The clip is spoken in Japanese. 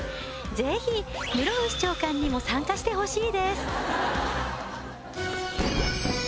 ぜひ室伏長官にも参加してほしいです